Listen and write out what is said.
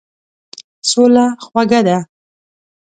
سوله خوږه ده.